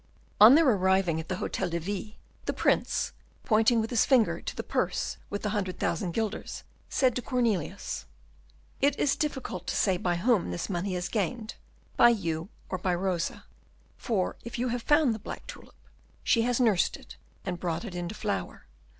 On their arriving at the Hôtel de Ville, the Prince, pointing with his finger to the purse with the hundred thousand guilders, said to Cornelius, "It is difficult to say by whom this money is gained, by you or by Rosa; for if you have found the black tulip, she has nursed it and brought it into flower.